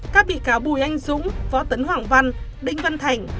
các bị cáo bùi anh dũng võ tấn hoàng văn đinh văn thành